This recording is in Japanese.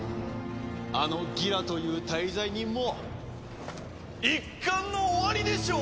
あのギラという大罪人も一巻の終わりでしょう！